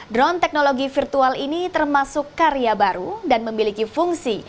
drone teknologi virtual ini termasuk karya baru dan memiliki fungsi